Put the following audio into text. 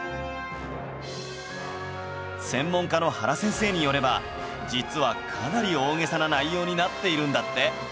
専門家の原先生によれば実はかなり大げさな内容になっているんだって